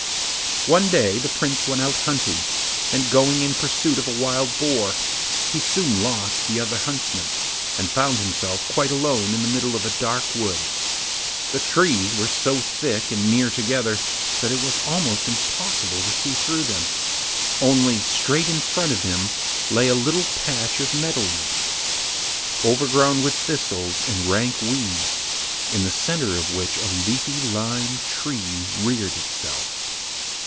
One day the Prince went out hunting, and going in pursuit of a wild boar he soon lost the other huntsmen, and found himself quite alone in the middle of a dark wood. The trees grew so thick and near together that it was almost impossible to see through them, only straight in front of him lay a little patch of meadowland. Overgrown with thistles and rank weeds, in the centre of which a leafy lime tree reared itself.